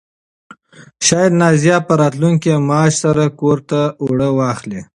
شاید نازیه په راتلونکي معاش سره کور ته اوړه واخلي.